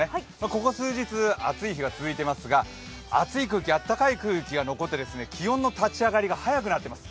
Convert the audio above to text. ここ数日、暑い日が続いてますが熱い空気、あったかい空気が残って気温の上昇が早くなっています